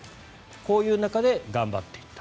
こういう中で頑張っていた。